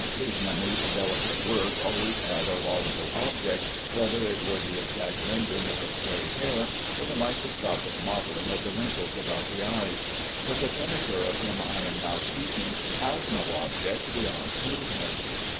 His minute, delicate work always had a laudable object, whether it were the exact rendering of a stray hair or the microscopic modelling of the wrinkles about the eyes. But the finisher of whom I am now speaking has no object, beyond smoothness.